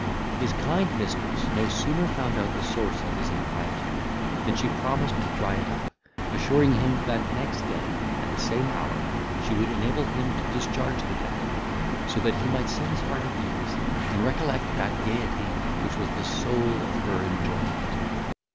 His kind mistress no sooner found out the source of his inquietude, than she promised to dry it up, assuring him that next day, at the same hour, she would enable him to discharge the debt; so that he might set his heart at ease, and recollect that gaiety which was the soul of her enjoyment.